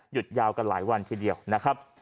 ยาวกันหลายวันทีเดียวนะครับ